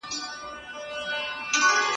زاړه او خوسا خواړه مه خورئ.